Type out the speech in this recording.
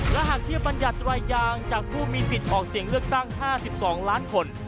และหากเทียบบรรยัติรายยางจากผู้มีสิทธิ์ออกเสียงเลือกตั้ง๕๒ล้านคน